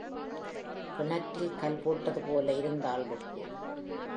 கிணற்றில் கல் போட்டது போல இருந்தாள் ருக்கு.